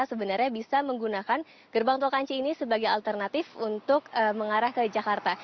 sebenarnya bisa menggunakan gerbang tol kanci ini sebagai alternatif untuk mengarah ke jakarta